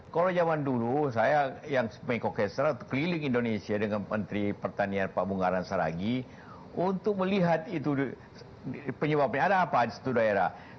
kalau zaman dulu saya yang main kokestra keliling indonesia dengan menteri pertanian pak bungaran saragi untuk melihat itu penyebabnya ada apa di satu daerah